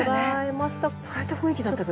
捕らえた雰囲気だったけど。